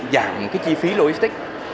giảm chi phí logistic